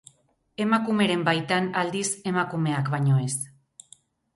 Emakumeren baitan, aldiz, emakumeak baino ez.